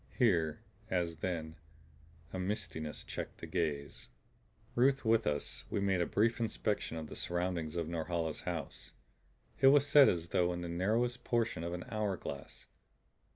Here, as then, a mistiness checked the gaze. Ruth with us, we made a brief inspection of the surroundings of Norhala's house. It was set as though in the narrowest portion of an hour glass.